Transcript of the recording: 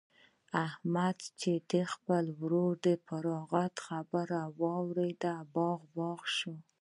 احمد چې د خپل ورور د فراغت خبر واورېد؛ باغ باغ شو.